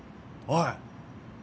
おい！